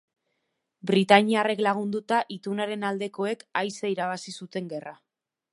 Britainiarrek lagunduta, itunaren aldekoek aise irabazi zuten gerra.